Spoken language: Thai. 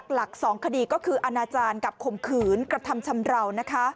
หลัก๒คดีก็คืออาณาจารย์กับข่มขืนกระทำชำราว